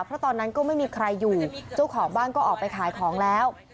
เพราะตอนนั้นก็ไม่มีใครอยู่เจ้าของบ้านก็ออกไปขายของแล้ว